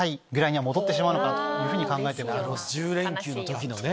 １０連休の時のね。